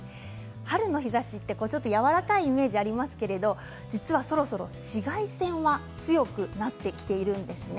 春の日ざしってやわらかいイメージありますけどそろそろ紫外線が強くなってきているんですね。